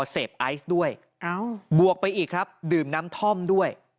เสพไอซ์ด้วยบวกไปอีกครับดื่มน้ำท่อมด้วย